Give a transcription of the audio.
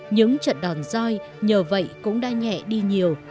những trận đòn roi nhờ vậy cũng đã nhẹ đi nhiều